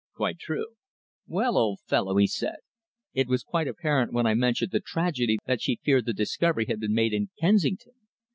"Quite true." "Well, old fellow," he said, "it was quite apparent when I mentioned the tragedy that she feared the discovery had been made in Kensington.